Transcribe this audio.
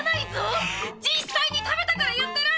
実際に食べたから言ってるんだ！